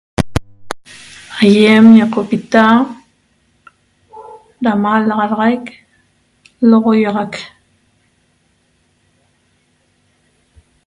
Aiem ñeqopita ra malaxaraic lo'oguiaxac